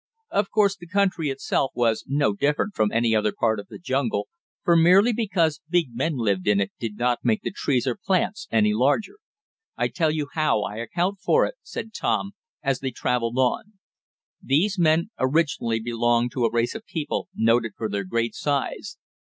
Of course the country itself was no different from any other part of the jungle, for merely because big men lived in it did not make the trees or plants any larger. "I tell you how I account for it," said Tom, as they traveled on. "These men originally belonged to a race of people noted for their great size.